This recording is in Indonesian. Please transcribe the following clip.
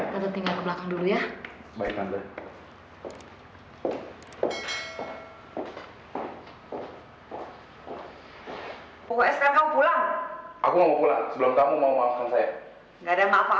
sampai jumpa di video selanjutnya